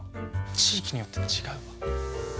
地域によって違うわ。